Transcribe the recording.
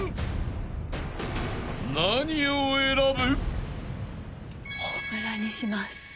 ［何を選ぶ？］